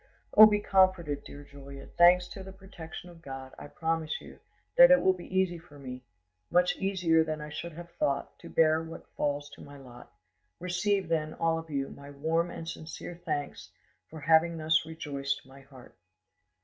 Oh, be comforted, dear Julia; thanks to the protection of God, I promise you: that it will be easy for me, much easier than I should have thought, to bear what falls to my lot. Receive, then, all of you, my warm and sincere thanks for having thus rejoiced my heart.